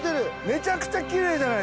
めちゃくちゃキレイじゃないですか。